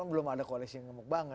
belum ada koalisi yang gemuk banget